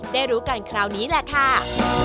ได้รู้กันคราวนี้แหละค่ะ